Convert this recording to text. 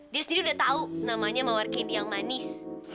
dia sendiri udah tahu namanya mawar cb yang manis